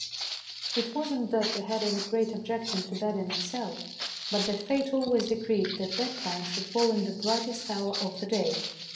It was not that we had any great objection to bed in itself, but that fate always decreed that bed time should fall in the brightest hour of the day.